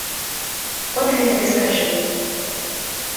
От гэта ты скажы.